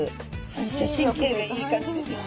反射神経がいい感じですよね。